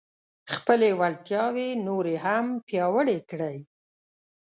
خپلې وړتیاوې نورې هم پیاوړې کړئ.